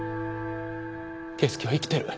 啓介は生きてる。